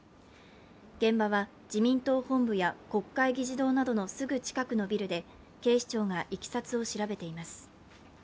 現場は自民党本部や国会議事堂などのすぐ近くのビルで警視庁がいきさつを調べています。